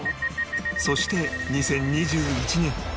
そして２０２１年